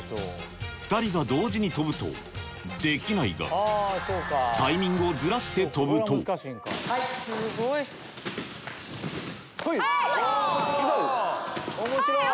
２人が同時に跳ぶとできないがタイミングをずらして跳ぶとおもしろい。